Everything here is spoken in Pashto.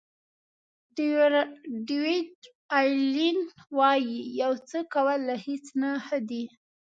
ډیویډ الین وایي یو څه کول له هیڅ نه ښه دي.